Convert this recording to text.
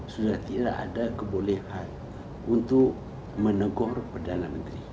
sudah tidak ada kebolehan untuk menegur perdana menteri